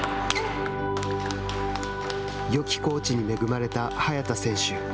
よきコーチに恵まれた早田選手。